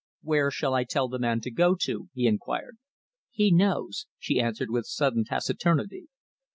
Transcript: "Where shall I tell the man to go to?" he inquired. "He knows," she answered with sudden taciturnity.